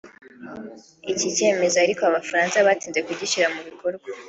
Iki cyemezo ariko Abafaransa batinze kugishyira mu bikorwa